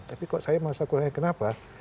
tapi kok saya malah kurang yakin kenapa